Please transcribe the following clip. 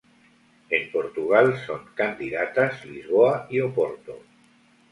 En Portugal son candidatas Lisboa y Oporto.